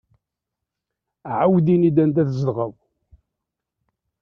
Ԑawed ini-d anda tzedɣeḍ.